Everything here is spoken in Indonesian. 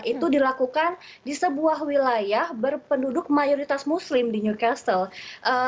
itu dilakukan di sebuah wilayah berpenduduk mayoritas muslim di newcastle